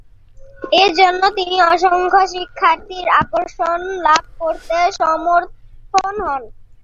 এজন্য তিনি অসংখ্য শিক্ষার্থীর আকর্ষণ লাভ করতে সমর্থ হন।